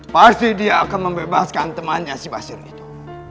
pasti dia akan membebaskan temannya si basir itu